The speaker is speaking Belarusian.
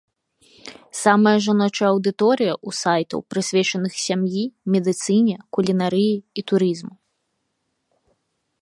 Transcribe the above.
Самая жаночая аўдыторыя ў сайтаў, прысвечаных сям'і, медыцыне, кулінарыі і турызму.